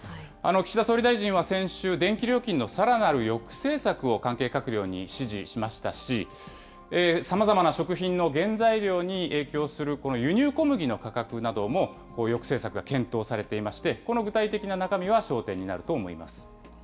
岸田総理大臣は先週、電気料金のさらなる抑制策を関係閣僚に指示しましたし、さまざまな食品の原材料に影響する輸入小麦の価格なども抑制策が検討されていまして、この具体的な中身が焦点になると思います。